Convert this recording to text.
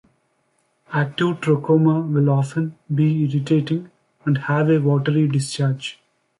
Active trachoma will often be irritating and have a watery discharge.